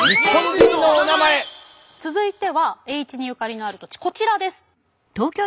続いては栄一にゆかりのある土地こちらです。